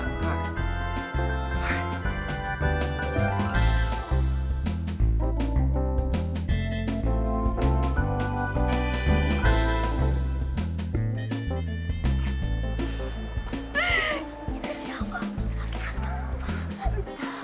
sampai jumpa di video selanjutnya